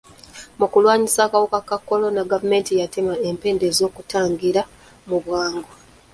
Mu kulwanyisa akawuka ka kolona, gavumenti yatema empenda okukatangira mu bwangu.